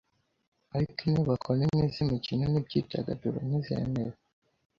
ariko inyubako nini z'imikino n'imyidagaduro ntizemerewe